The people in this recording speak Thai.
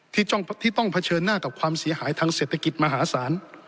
ที่ต้องเผชิญหน้ากับความเสียหายทางเศรษฐกิจมหาศาล